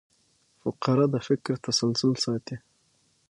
فقره د فکر تسلسل ساتي.